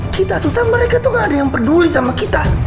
kita susah mereka tuh gak ada yang peduli sama kita